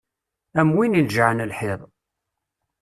Am win ineǧǧɛen lḥiḍ.